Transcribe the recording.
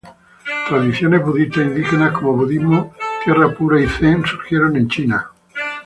Tradiciones budistas indígenas como budismo Tierra Pura y Zen surgieron en China.